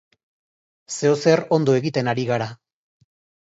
Zeozer ondo egiten ari gara.